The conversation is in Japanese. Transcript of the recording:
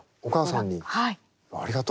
お母さんに。